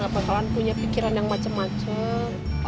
gak bakalan punya pikiran yang macem macem